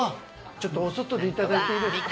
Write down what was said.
ちょっとお外でいただいていいですか？